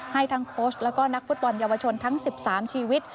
ให้ทั้งโค้ชแล้วก็นักฟุตบอลเยาวชนทั้ง๑๓ชีวิต